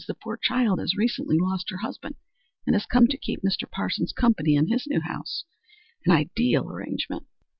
The poor child has recently lost her husband, and has come to keep Mr. Parsons company in his new house an ideal arrangement."